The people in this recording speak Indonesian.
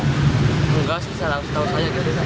nggak susah tahu saya